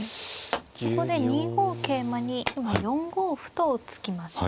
ここで２五桂馬に今４五歩と突きました。